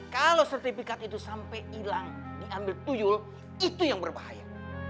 kalau sertifikat itu sampai hilang diambil puyul itu yang berbahaya